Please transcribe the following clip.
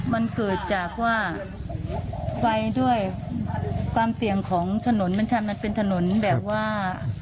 มันเกิดจากว่าไฟด้วยความเสี่ยงของถนนมันเป็นถนนแบบว่า